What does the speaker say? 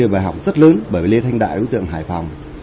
bởi lê thanh đại đối tượng hải phòng